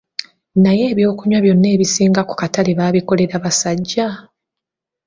Naye ebyokunywa byonna ebisinga ku katale babikolera basajja?